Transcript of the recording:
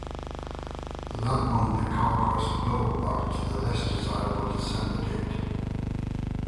That bumped the Carquest Bowl back to the less-desirable December date.